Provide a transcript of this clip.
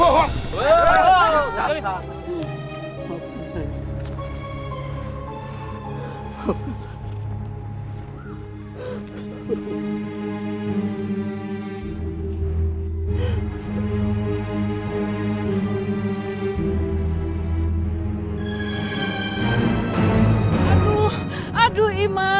aduh aduh ima